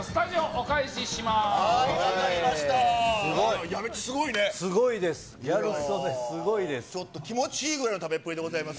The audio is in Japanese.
すごいです。